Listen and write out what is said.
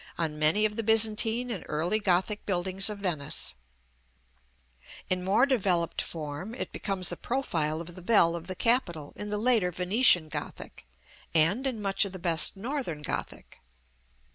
on many of the Byzantine and early Gothic buildings of Venice; in more developed form it becomes the profile of the bell of the capital in the later Venetian Gothic, and in much of the best Northern Gothic.